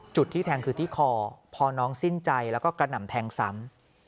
ที่แทงคือที่คอพอน้องสิ้นใจแล้วก็กระหน่ำแทงซ้ำ